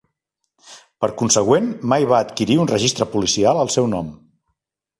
Per consegüent, mai va adquirir un registre policial al seu nom.